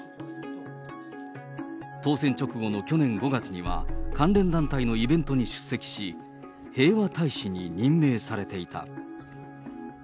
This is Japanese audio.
当選直後の去年５月には、関連団体のイベントに出席し、平和大使に任命されていた。